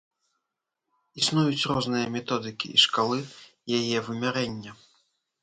Існуюць розныя методыкі і шкалы яе вымярэння.